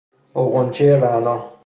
غنچۀ رعنا